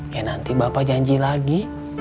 kayak nanti bapak janji lagi